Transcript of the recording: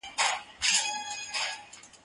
هغه وویل چې کار مهم دی!!